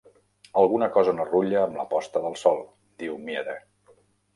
"Alguna cosa no rutlla amb la posta del sol", diu Meade.